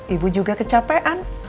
ibu juga kecapean